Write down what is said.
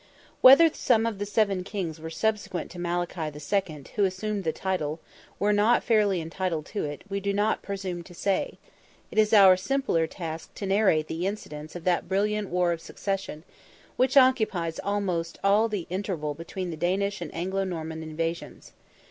Whether some of the seven kings subsequent to Malachy II., who assumed the title, were not fairly entitled to it, we do not presume to say; it is our simpler task to narrate the incidents of that brilliant war of succession, which occupies almost all the interval between the Danish and Anglo Norman invasions.